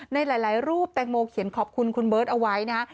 ในหลายรูปแตงโมเขียนขอบคุณคุณเบิร์ตเอาไว้นะฮะ